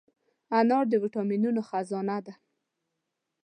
انار د ویټامینونو خزانه ده.